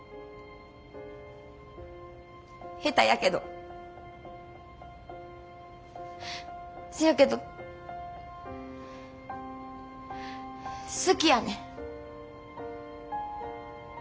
下手やけどせやけど好きやねん。